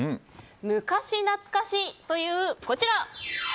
昔懐かしというこちら。